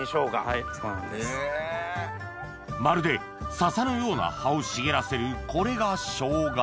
まるで笹のような葉を茂らせるこれがショウガ